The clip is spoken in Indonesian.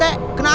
wah rt kenapa